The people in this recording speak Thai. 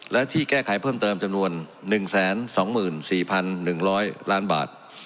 และที่แก้ไขเพิ่มเติมจำนวน๑๒๔๑๐๐ล้านบาท